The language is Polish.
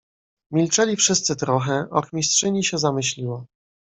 "Milczeli wszyscy trochę, ochmistrzyni się zamyśliła."